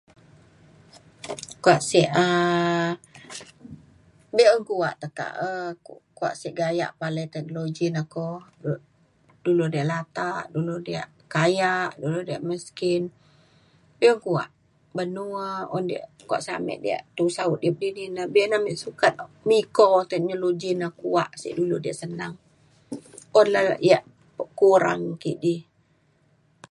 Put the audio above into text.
kuak sik um be'un kuak tekak e kuak sik gayak palai telu ji ne ko dulu diak latak dulu diak kayak dulu diak miskin be'un kuak ban nu ne un sda kuak sik amik da tusa udip di ne be'un amik sukat miko teknologi na kuak sik dulu diak senang un le ya' kurang kidi